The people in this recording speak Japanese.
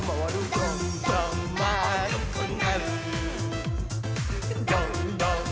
「どんどんまあるくなる！」